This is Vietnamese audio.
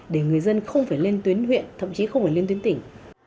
để người dân không phải lên tuyến huyện thậm chí không phải lên tuyến tỉnh